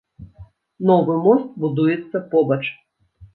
Новы мост будуецца побач.